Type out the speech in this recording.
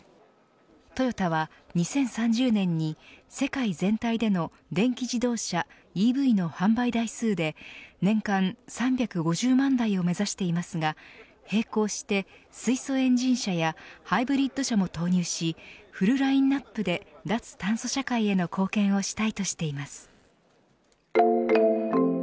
トヨタは、２０３０年に世界全体での電気自動車ＥＶの販売台数で年間３５０万台を目指していますが並行して、水素エンジン車やハイブリッド車も投入しフルラインアップで脱炭素社会への貢献をしたいとしています。